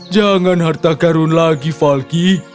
jangan harta karun lagi falky